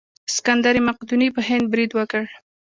سکندر مقدوني په هند برید وکړ.